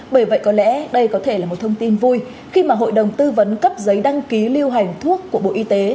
bởi vậy có lẽ đây có thể là một thông tin vui khi mà hội đồng tư vấn cấp giấy đăng ký lưu hành thuốc của bộ y tế